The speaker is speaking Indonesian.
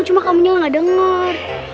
cuma kamu nyala gak denger